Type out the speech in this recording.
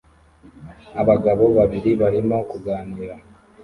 Abagabo babiri barimo kuganira